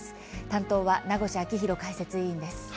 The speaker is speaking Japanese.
担当は名越章浩解説委員です。